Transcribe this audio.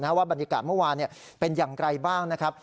ว่าบรรยากาศเมื่อวานเป็นอย่างไรบ้างนะครับ